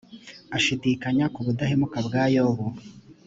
ashidikanya ku budahemuka bwa yobu